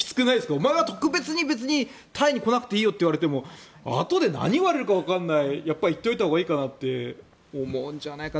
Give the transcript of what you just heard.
お前は特別に隊に来なくていいよと言われてもあとで何言われるかわからないからやっぱり行っておいたほうがいいかなって思うんじゃないかな。